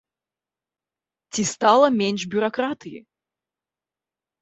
Ці стала менш бюракратыі?